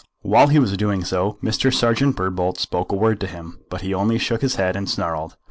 While he was doing so, Mr. Serjeant Birdbolt spoke a word to him, but he only shook his head and snarled.